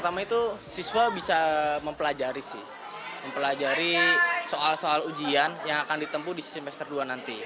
mempelajari soal soal ujian yang akan ditempu di semester dua nanti